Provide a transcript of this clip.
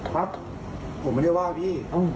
ผมไม่ได้ว่าพี่